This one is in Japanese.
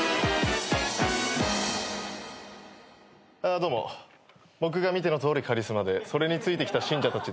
どうも僕が見てのとおりカリスマでそれについてきた信者たちです。